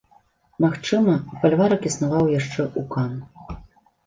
Магчыма, фальварак існаваў яшчэ ў кан.